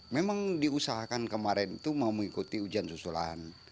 memang diusahakan kemarin itu mau mengikuti ujian susulan